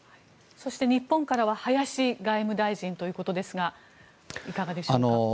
そして日本からは林外務大臣ということですがいかがでしょうか。